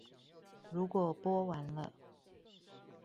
如果播完了